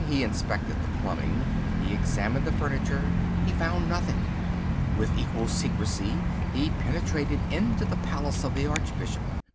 He inspected the plumbing. He examined the furniture. He found nothing. With equal secrecy he penetrated into the palace of the Archbishop.